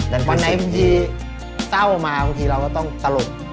วันไนท์สิ่งที่เจ้ามาพอเวลาต้องตรงตะลด